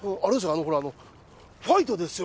あのほらあのファイトですよ